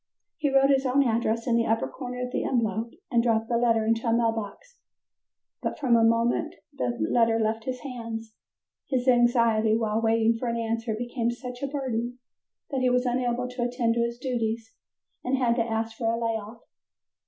He wrote his own address in the upper corner of the envelope and dropped the letter into a mail box. But from the moment the letter left his hands, his anxiety while waiting for an answer became such a burden that he was unable to attend to his duties, and had to ask for a lay off.